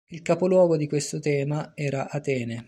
Il capoluogo di questo thema era Atene.